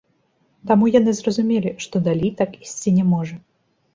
Таму яны зразумелі, што далей так ісці не можа.